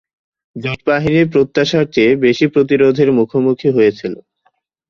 জোট বাহিনী প্রত্যাশার চেয়ে বেশি প্রতিরোধের মুখোমুখি হয়েছিল।